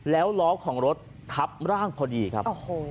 แล้วล้อของรถทับร่างพอดีครับ